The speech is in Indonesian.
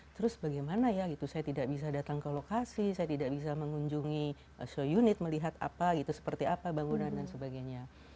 terus bagaimana ya gitu saya tidak bisa datang ke lokasi saya tidak bisa mengunjungi show unit melihat apa gitu seperti apa bangunan dan sebagainya